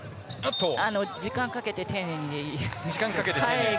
時間をかけて丁寧に。